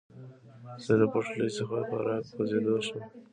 زه له پټلۍ څخه په را کوزېدو شوم.